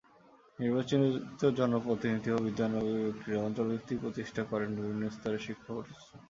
নির্বাচিত জনপ্রতিনিধি ও বিদ্যানুরাগী ব্যক্তিরা অঞ্চলভিত্তিক প্রতিষ্ঠা করেন বিভিন্ন স্তরের শিক্ষাপ্রতিষ্ঠান।